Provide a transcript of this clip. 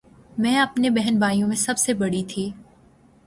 میں اپنے بہن بھائیوں میں سب سے بڑی تھی